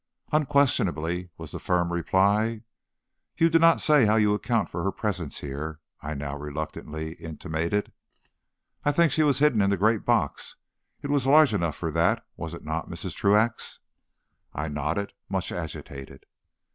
"Unquestionably," was the firm reply. "You do not say how you account for her presence here," I now reluctantly intimated. "I think she was hidden in the great box. It was large enough for that, was it not, Mrs. Truax?" I nodded, much agitated.